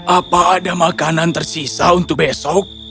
apa ada makanan tersisa untuk besok